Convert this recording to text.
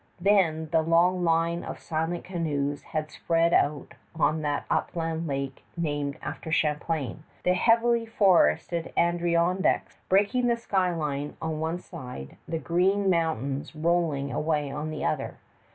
Then the long line of silent canoes had spread out on that upland lake named after Champlain, the heavily forested Adirondacks breaking the sky line on one side, the Green Mountains rolling away on the other.